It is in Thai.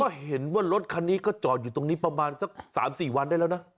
ก็เห็นว่ารถคันนี้ก็จอดอยู่ตรงนี้ประมาณสัก๓๔วันได้แล้วนะ